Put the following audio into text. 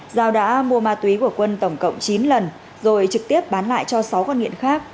giao đã mua ma túy của quân tổng cộng chín lần rồi trực tiếp bán lại cho sáu con nghiện khác